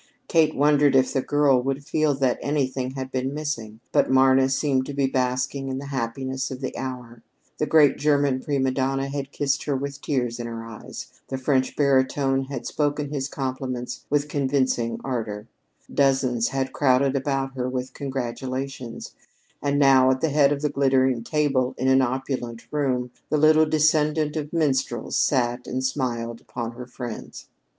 Kate wondered if the girl would feel that anything had been missing, but Marna seemed to be basking in the happiness of the hour. The great German prima donna had kissed her with tears in her eyes; the French baritone had spoken his compliments with convincing ardor; dozens had crowded about her with congratulations; and now, at the head of the glittering table in an opulent room, the little descendant of minstrels sat and smiled upon her friends.